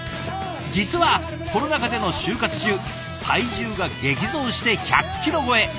実はコロナ禍での就活中体重が激増して１００キロ超え。